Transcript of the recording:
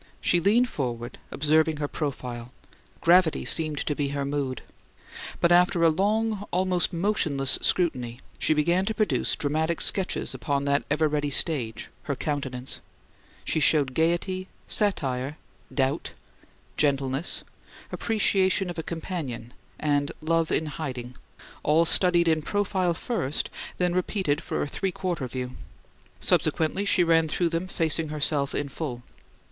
She leaned forward, observing her profile; gravity seemed to be her mood. But after a long, almost motionless scrutiny, she began to produce dramatic sketches upon that ever ready stage, her countenance: she showed gaiety, satire, doubt, gentleness, appreciation of a companion and love in hiding all studied in profile first, then repeated for a "three quarter view." Subsequently she ran through them, facing herself in full.